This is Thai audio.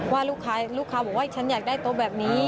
ว่าลูกค้าบอกว่าฉันอยากได้โต๊ะแบบนี้